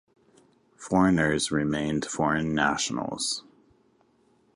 Foreigners remained foreign nationals.